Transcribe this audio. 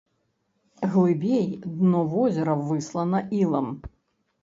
Глыбей дно возера выслана ілам.